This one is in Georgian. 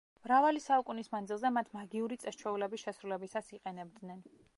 მრავალი საუკუნის მანძილზე მათ მაგიური წეს-ჩვეულების შესრულებისას იყენებდნენ.